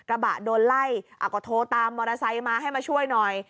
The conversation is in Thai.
กระบะโดนไล่ก็โทรตามมอเตอร์ไซค์มาให้มาช่วยหน่อย